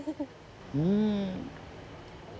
うん。